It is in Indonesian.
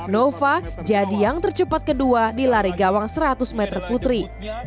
nova jadi yang tercepat kedua di lari gawang seratus meter putri